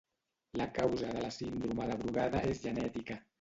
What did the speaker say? La causa de la síndrome de Brugada és genètica.